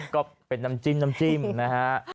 ก็เป็นน้ำจิ้มนะฮะ